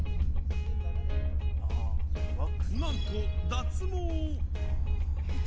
なんと、脱毛。